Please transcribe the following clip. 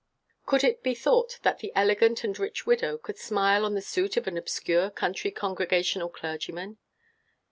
Could it be thought that the elegant and rich widow would smile on the suit of an obscure country Congregational clergyman?